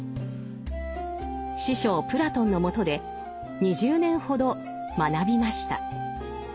師匠プラトンのもとで２０年ほど学びました。